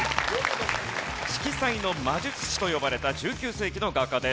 色彩の魔術師と呼ばれた１９世紀の画家です。